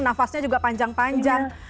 nafasnya juga panjang panjang